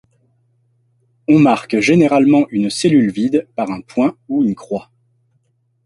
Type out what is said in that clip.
On marque généralement une cellule vide par un point ou une croix.